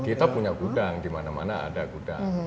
kita punya gudang di mana mana ada gudang